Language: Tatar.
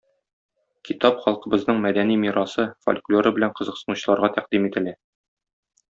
Китап халкыбызның мәдәни мирасы, фольклоры белән кызыксынучыларга тәкъдим ителә.